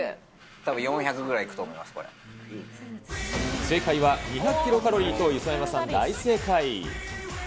たぶん４００ぐらいいくと思正解は２００キロカロリーと、磯山さん、大正解。